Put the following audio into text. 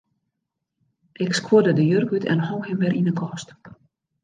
Ik skuorde de jurk út en hong him wer yn 'e kast.